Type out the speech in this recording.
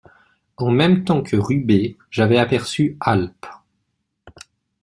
En même temps que Rubé j'avais aperçu Alp.